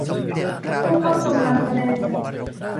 ผู้เข้าชมการแสดง